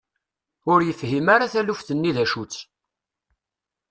Ur yefhim ara taluft-nni d acu-tt.